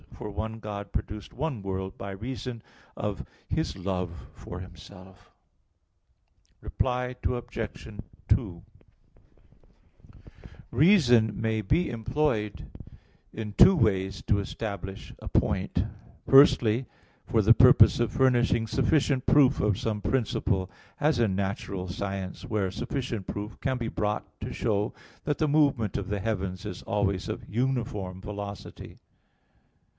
For one God produced one world by reason of His love for Himself. Reply Obj. 2: Reason may be employed in two ways to establish a point: firstly, for the purpose of furnishing sufficient proof of some principle, as in natural science, where sufficient proof can be brought to show that the movement of the heavens is always of uniform velocity.